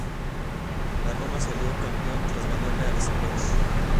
La Roma salió campeón tras ganarle a la Sampdoria.